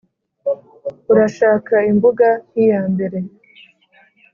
urashaka imbuga nk'iyambere